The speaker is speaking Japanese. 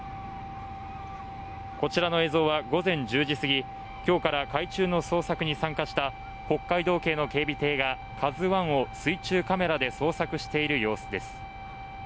こちらの映像は午前１０時過ぎ、今日から海中の捜索に参加した北海道警の警備艇が「ＫＡＺＵⅠ」を水中カメラで捜索している様子です。